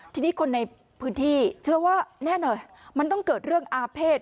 ทีนี้คนในพื้นที่เชื่อว่าแน่นอนมันต้องเกิดเรื่องอาเภษ